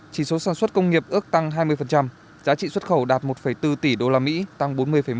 chỉ số sản xuất công nghiệp ước tăng hai mươi giá trị xuất khẩu đạt một bốn tỷ usd tăng bốn mươi một